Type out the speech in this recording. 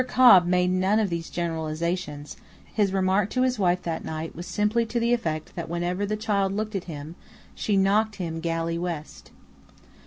Cobb made none of these generalizations; his remark to his wife that night was simply to the effect that whenever the child looked at him she knocked him galley west.